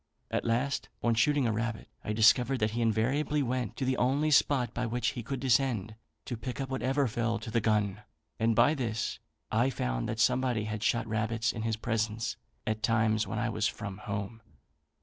At last, on shooting a rabbit, I discovered that he invariably went to the only spot by which he could descend to pick up whatever fell to the gun; and by this I found that somebody had shot rabbits in his presence at times when I was from home.